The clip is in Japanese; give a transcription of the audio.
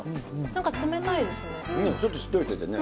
なんか冷たいですね。